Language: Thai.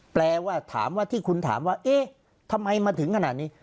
แปลว่าถามว่าที่คุณถามว่าเอ๊ะทำไมมาถึงขนาดนี้